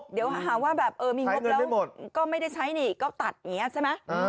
เดี๋ยวหาว่าแบบเออมีงบแล้วก็ไม่ได้ใช้นี่ก็ตัดอย่างนี้ใช่ไหม